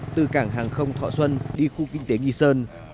từ cảng hàng không thọ xuân đi khu kinh tế nghi sơn